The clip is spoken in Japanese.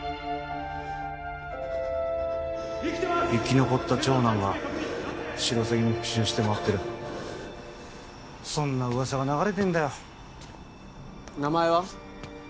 生き残った長男がシロサギに復讐してまわってるそんな噂が流れてんだよ名前は？